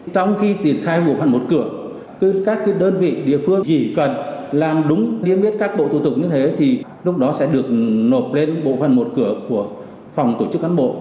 trong khi triển khai bộ phần một cửa các đơn vị địa phương chỉ cần làm đúng liên miết các bộ thủ tục như thế thì lúc đó sẽ được nộp lên bộ phần một cửa của phòng tổ chức cán bộ